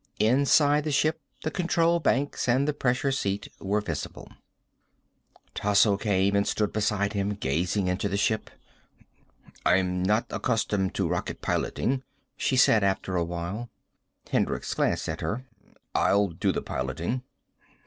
Inside the ship the control banks and the pressure seat were visible. Tasso came and stood beside him, gazing into the ship. "I'm not accustomed to rocket piloting," she said, after awhile. Hendricks glanced at her. "I'll do the piloting."